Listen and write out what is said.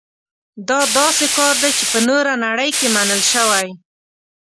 دا داسې کار دی چې په نوره نړۍ کې منل شوی.